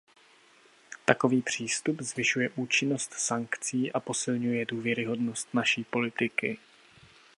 Takový přístup zvyšuje účinnost sankcí a posilňuje důvěryhodnost naší politiky.